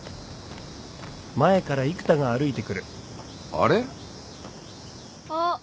あれ？あっ。